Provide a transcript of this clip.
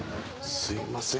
すみません。